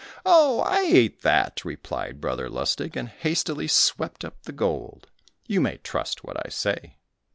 "Oh, I ate that!" replied Brother Lustig, and hastily swept up the gold. "You may trust what I say."